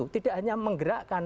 tidak hanya menggerakkan